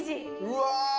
うわ！